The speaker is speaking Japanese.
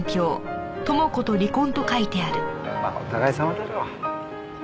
まあお互い様だろ。